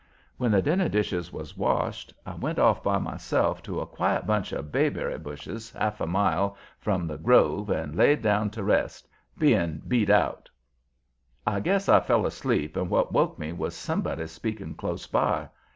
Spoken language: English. When the dinner dishes was washed I went off by myself to a quiet bunch of bayberry bushes half a mile from the grove and laid down to rest, being beat out. I guess I fell asleep, and what woke me was somebody speaking close by.